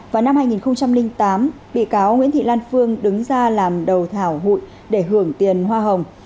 vào năm hai nghìn tám bị cáo nguyễn thị lan phương đứng ra làm đầu thảo hụi để hưởng tiền hoa hồng